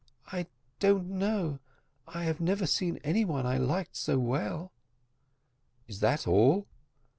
"I don't know; I have never seen any one I liked so well." "Is that all?"